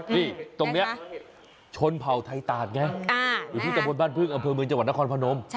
นี่ตรงนี้ชนเผ่าไทยตาดไงอยู่ที่ตะบนบ้านพึ่งอำเภอเมืองจังหวัดนครพนม